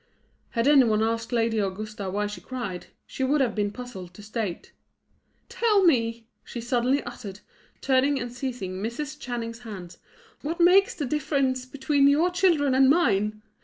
Had any one asked Lady Augusta why she cried, she would have been puzzled to state. "Tell me!" she suddenly uttered, turning and seizing Mrs. Channing's hands "what makes the difference between your children and mine?